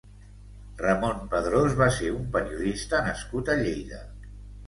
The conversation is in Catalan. Ramón Pedrós va ser un periodista nascut a Lleida.